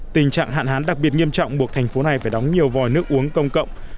tình trạng hạn hán đặc biệt nghiêm trọng buộc thành phố này phải đóng nhiều vòi nước uống công cộng